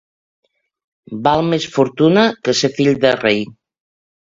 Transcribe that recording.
Val més fortuna que ser fill de rei.